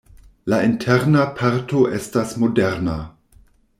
La interna parto estas moderna.